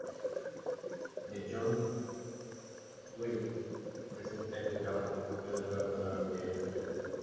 Beyond Twilight presenta este trabajo por toda Europa durante ese año.